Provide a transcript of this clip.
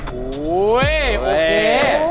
พร้อมแล้วเชิญขึ้นไปตรงนู้นเลยครับ